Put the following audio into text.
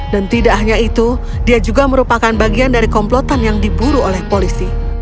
dan tidak hanya itu dia juga merupakan bagian dari komplotan yang diburu oleh polisi